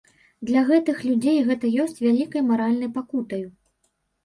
Для гэтых людзей гэта ёсць вялікай маральнай пакутаю.